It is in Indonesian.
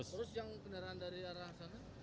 terus yang kendaraan dari arah sana